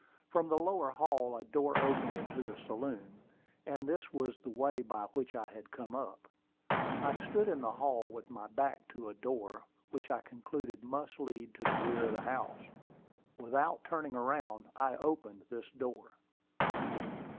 From the lower hall a door opened into the saloon; and this was the way by which I had come up. I stood in the hall with my back to a door, which I concluded must lead to the rear of the house. Without turning around, I opened this door.